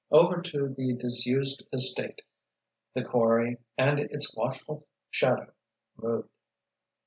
Over to the disused estate the quarry and its watchful shadow moved.